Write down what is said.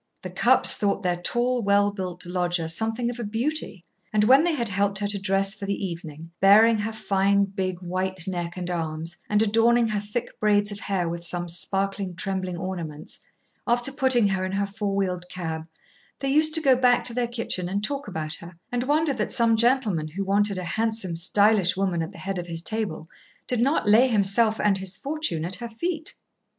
The Cupps thought their tall, well built lodger something of a beauty, and when they had helped her to dress for the evening, baring her fine, big white neck and arms, and adorning her thick braids of hair with some sparkling, trembling ornaments, after putting her in her four wheeled cab, they used to go back to their kitchen and talk about her, and wonder that some gentleman who wanted a handsome, stylish woman at the head of his table, did not lay himself and his fortune at her feet.